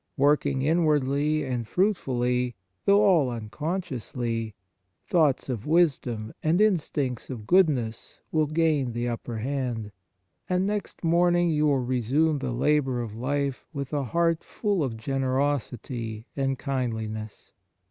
Working in wardly and fruitfully, though all unconsciously, thoughts of wisdom and instincts of goodness will gain the upper hand, and next morning you will resume the labour of life with a heart full of generosity and kindliness.